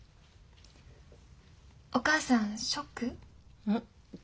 お母さんショック？